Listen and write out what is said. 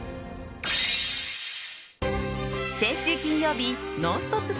先週金曜日「ノンストップ！」